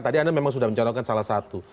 tadi anda memang sudah mencolokkan salah satu